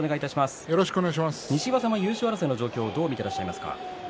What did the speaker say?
西岩さんは優勝争いの状況をどう見ていますか？